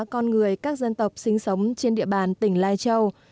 con người các dân tộc sinh sống trên địa bàn tỉnh lai châu